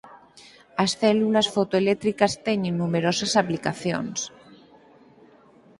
As células fotoeléctricas teñen numerosas aplicacións.